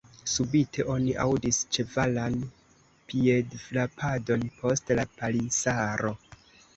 Subite oni aŭdis ĉevalan piedfrapadon post la palisaro.